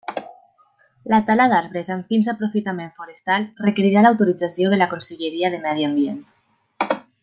La tala d'arbres amb fins d'aprofitament forestal requerirà l'autorització de la Conselleria de Medi Ambient.